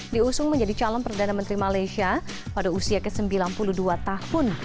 diusung menjadi calon perdana menteri malaysia pada usia ke sembilan puluh dua tahun